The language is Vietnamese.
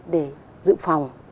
để dự phòng